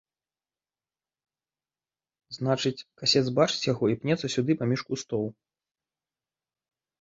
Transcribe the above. Значыць, касец бачыць яго і пнецца сюды паміж кустоў.